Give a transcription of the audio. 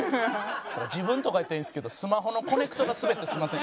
自分とかやったらいいんですけどスマホのコネクトがスベってすいません。